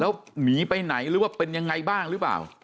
แล้วหนีไปไหนหรือว่าเป็นยังไงบ้างหรือเปล่า